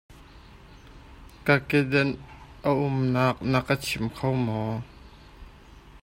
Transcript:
Ka kedenh a umnak na ka chim kho maw?